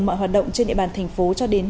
mọi hoạt động trên địa bàn thành phố cho đến